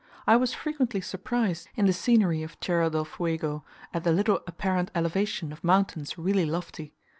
I was frequently surprised in the scenery of Tierra del Fuego, at the little apparent elevation of mountains really lofty.